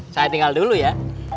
saya tinggal dulu ya